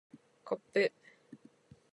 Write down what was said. こっぷ